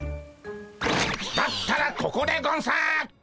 だったらここでゴンス！